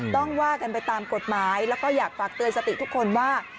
ว่ากันไปตามกฎหมายแล้วก็อยากฝากเตือนสติทุกคนว่า